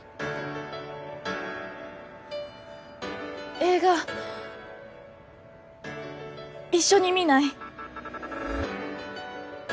映画一緒に見ない？